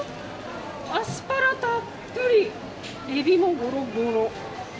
アスパラたっぷりエビもゴロゴロ！